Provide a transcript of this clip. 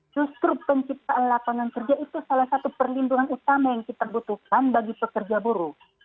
justru penciptaan lapangan kerja itu salah satu perlindungan utama yang kita butuhkan bagi pekerja buruh